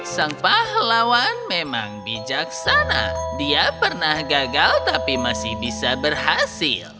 sang pahlawan memang bijaksana dia pernah gagal tapi masih bisa berhasil